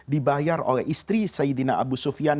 dibayar oleh istri saidina abu sufyan